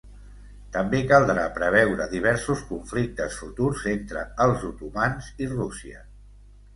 També caldrà preveure diversos conflictes futurs entre els otomans i Rússia.